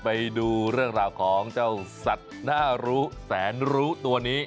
ไปดูเรื่องราวของเจ้าสัตว์น่ารู้แสนรู้ตัวนี้